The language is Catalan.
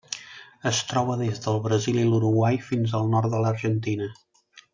Es troba des del Brasil i l'Uruguai fins al nord de l'Argentina.